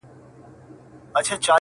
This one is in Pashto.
يوې خواته پاڼ دئ، بلي خواته پړانگ دئ-